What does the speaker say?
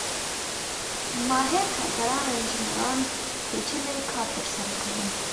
ماهر کارګران او انجینران پېچلی کار ترسره کوي